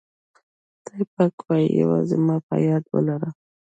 خدای پاک وایي یوازې ما په یاد ولره.